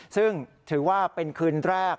ซึ่งถือว่าเป็นคืนแรก